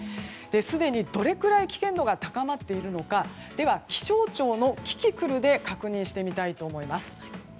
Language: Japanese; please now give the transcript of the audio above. すでにどれくらい危険度が高まっているのか気象庁のキキクルで確認してみたいと思います。